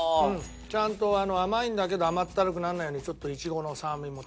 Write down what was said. ちゃんと甘いんだけど甘ったるくならないようにちょっとイチゴの酸味も。